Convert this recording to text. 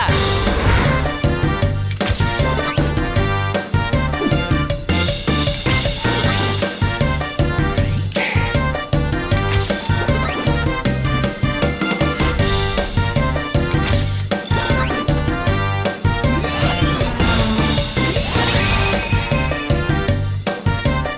ขอบคุณบิลล่ะ